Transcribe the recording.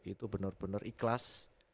itu benar benar ikhlas